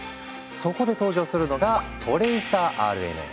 そこで登場するのが「トレイサーＲＮＡ」。